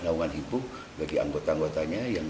laungan hibuk bagi anggota anggotanya